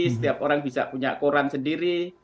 setiap orang bisa punya koran sendiri